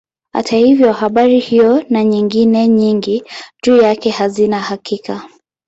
Hata hivyo habari hiyo na nyingine nyingi juu yake hazina hakika.